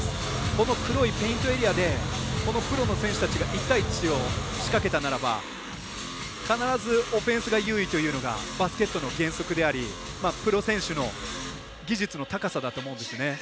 この黒いペイントエリアでこのプロの選手たちが１対１を仕掛けたならば必ずオフェンスが優位というのがバスケットの原則でありプロ選手の技術の高さだと思うんですね。